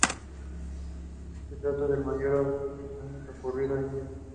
Se trata del mayor ataque islamista ocurrido en Kenia.